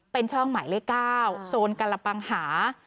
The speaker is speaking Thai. เป็นช่องหมายเลข๙โซนกรปังหา